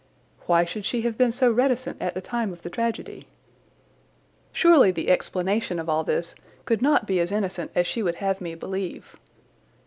Why should she have been so reticent at the time of the tragedy? Surely the explanation of all this could not be as innocent as she would have me believe.